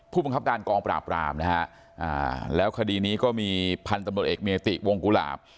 ผู้บังคับการกองปราบรามนะฮะแล้วคดีนี้ก็มีพันธุ์ตำรวจเอกเมติวงกุหลาบ